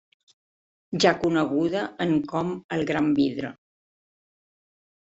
Ja coneguda en com el gran vidre.